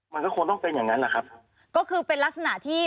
มันก็ควรต้องเป็นอย่างนั้นแหละครับก็คือเป็นลักษณะที่